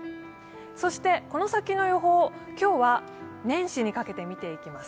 そしてこの先の予報、今日は年始にかけて見ていきます。